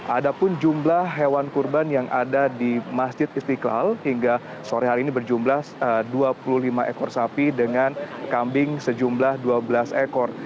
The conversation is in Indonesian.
ada pun jumlah hewan kurban yang ada di masjid istiqlal hingga sore hari ini berjumlah dua puluh lima ekor sapi dengan kambing sejumlah dua belas ekor